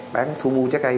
bán thu mu trái cây